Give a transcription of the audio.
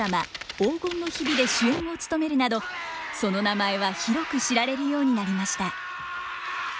「黄金の日日」で主演を務めるなどその名前は広く知られるようになりました。